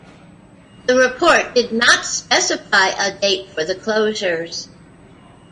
The report did not specify a date for the closures.